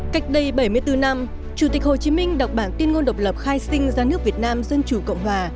cách đây bảy mươi bốn năm chủ tịch hồ chí minh đọc bản tuyên ngôn độc lập khai sinh ra nước việt nam dân chủ cộng hòa